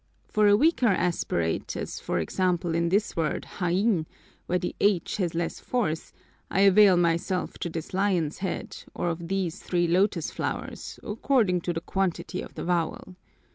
For a weaker aspirate, as for example in this word haín, where the h has less force, I avail myself of this lion's head or of these three lotus flowers, according to the quantity of the vowel.